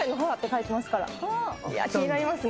いや気になりますね。